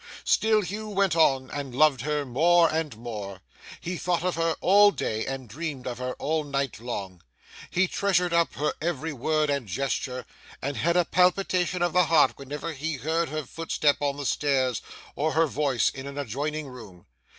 Still Hugh went on, and loved her more and more. He thought of her all day, and dreamed of her all night long. He treasured up her every word and gesture, and had a palpitation of the heart whenever he heard her footstep on the stairs or her voice in an adjoining room.